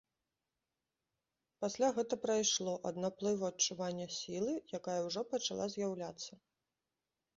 Пасля гэта прайшло ад наплыву адчування сілы, якая ўжо пачала з'яўляцца.